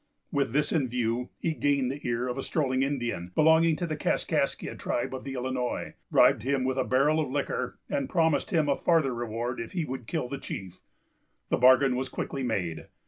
With this view, he gained the ear of a strolling Indian, belonging to the Kaskaskia tribe of the Illinois, bribed him with a barrel of liquor, and promised him a farther reward if he would kill the chief. The bargain was quickly made.